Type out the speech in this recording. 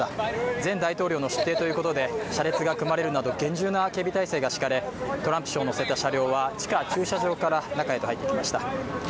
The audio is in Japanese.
前大統領の出廷ということで車列が組まれるなど厳重な警備体制が敷かれ、トランプ氏を乗せた車は地下駐車場から中へと入っていきました。